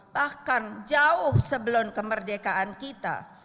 bahkan jauh sebelum kemerdekaan kita